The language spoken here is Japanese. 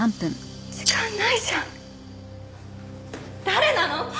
誰なの？